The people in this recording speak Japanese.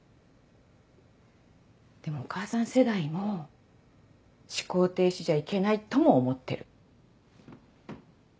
でもお母さん世代も思考停止じゃいけないとも思ってる。